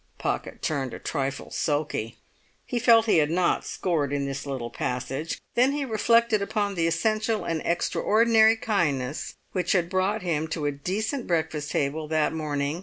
Pocket turned a trifle sulky. He felt he had not scored in this little passage. Then he reflected upon the essential and extraordinary kindness which had brought him to a decent breakfast table that morning.